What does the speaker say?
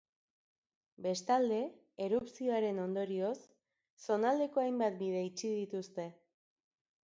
Bestalde, erupzioaren ondorioz, zonaldeko hainbat bide itxi dituzte.